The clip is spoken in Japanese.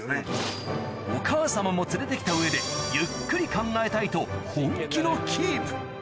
お母様も連れて来た上でゆっくり考えたいと本気のキープ